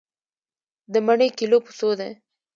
د مڼې کيلو په څو دی؟